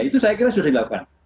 itu saya kira sudah dilakukan